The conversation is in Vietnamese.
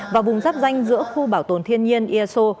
và vùng giáp danh giữa khu bảo tồn thiên nhiên eso